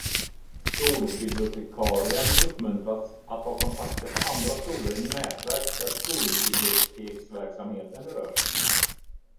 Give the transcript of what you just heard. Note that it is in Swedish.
Skolbibliotekarien uppmuntras att ha kontakter på andra skolor i nätverk där skolbiblioteksverksamheten berörs.